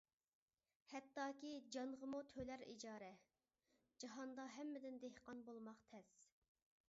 ھەتتاكى جانغىمۇ تۆلەر ئىجارە، جاھاندا ھەممىدىن دېھقان بولماق تەس.